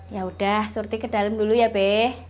yaudah surti ke dalem dulu ya be